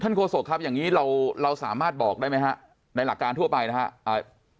โฆษกครับอย่างนี้เราเราสามารถบอกได้ไหมฮะในหลักการทั่วไปนะครับ